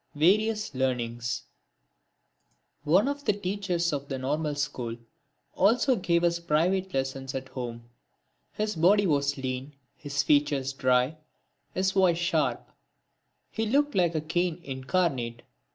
(7) Various Learning One of the teachers of the Normal School also gave us private lessons at home. His body was lean, his features dry, his voice sharp. He looked like a cane incarnate.